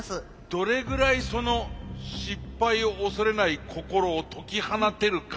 どれぐらいその失敗を恐れない心を解き放てるかなんですよ。